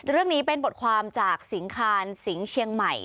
เรื่องนี้เป็นบทความจากสิงคารสิงห์เชียงใหม่